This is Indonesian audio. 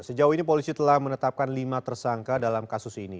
sejauh ini polisi telah menetapkan lima tersangka dalam kasus ini